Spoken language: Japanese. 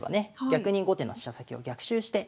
逆に後手の飛車先を逆襲して。